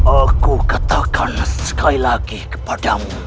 aku katakan sekali lagi kepadamu